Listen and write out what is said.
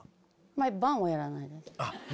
毎晩はやらないです。